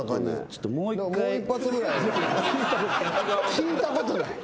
聞いたことない。